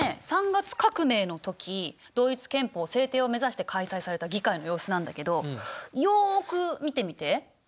３月革命の時ドイツ憲法制定を目指して開催された議会の様子なんだけどよく見てみて。